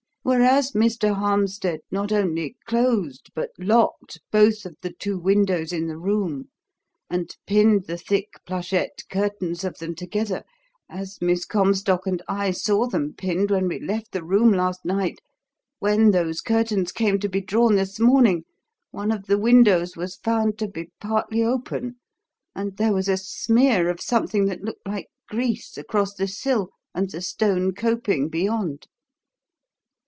Whereas Mr. Harmstead not only closed, but locked, both of the two windows in the room, and pinned the thick plushette curtains of them together as Miss Comstock and I saw them pinned when we left the room last night when those curtains came to be drawn this morning one of the windows was found to be partly open, and there was a smear of something that looked like grease across the sill and the stone coping beyond."